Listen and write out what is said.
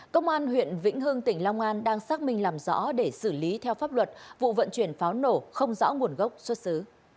công an huyện vĩnh hưng tỉnh long an đang xác minh làm rõ để xử lý theo pháp luật vụ vận chuyển pháo nổ không rõ nguồn gốc xuất xứ